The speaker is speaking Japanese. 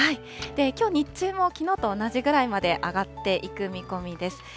きょう日中もきのうと同じぐらいまで上がっていく見込みです。